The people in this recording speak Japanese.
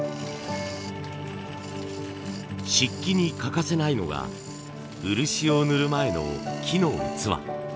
漆器に欠かせないのが漆を塗る前の木の器。